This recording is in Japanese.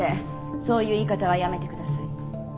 そういう言い方はやめてください。